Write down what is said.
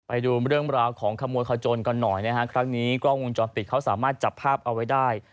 ไปดูเรื่องราวของขโมยขจนกันหน่อยนะฮะครั้งนี้กล้องวงจรปิดเขาสามารถจับภาพเอาไว้ได้